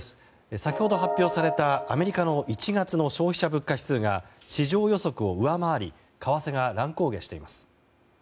先ほど発表された、アメリカの１月の消費者物価指数が市場予測を上回り為替が乱高下しています。